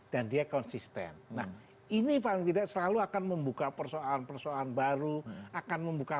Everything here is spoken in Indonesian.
dan dia konsisten nah ini paling tidak selalu akan membuka persoalan persoalan baru akan membuka